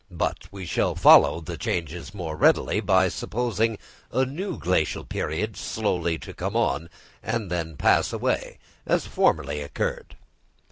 But we shall follow the changes more readily, by supposing a new glacial period slowly to come on, and then pass away, as formerly occurred.